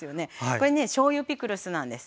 これねしょうゆピクルスなんです。